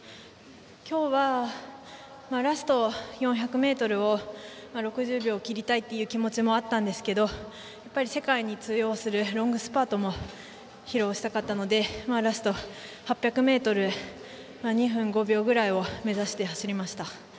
今日はラスト４００ｍを６０秒切りたいという気持ちもあったんですがやっぱり世界に通用するロングスパートも披露したかったのでラスト８００ｍ２分５秒くらいを目指して走りました。